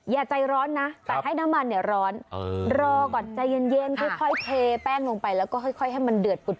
อย่าใจร้อนนะแต่ให้น้ำมันเนี่ยร้อนรอก่อนใจเย็นค่อยเทแป้งลงไปแล้วก็ค่อยให้มันเดือดปุด